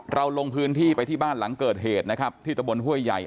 ลงพื้นที่ไปที่บ้านหลังเกิดเหตุนะครับที่ตะบนห้วยใหญ่